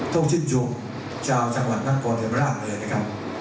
ทดชิดยุคเจ้าจังหวัดนครศรัตน์ประราชเลยนะครับ